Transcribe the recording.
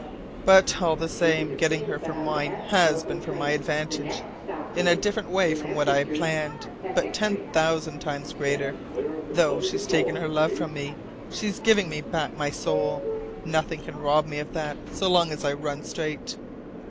But all the same, getting her for mine has been for my advantage. In a different way from what I planned, but ten thousand times greater. Though she's taken her love from me, she's given me back my soul. Nothing can rob me of that so long as I run straight.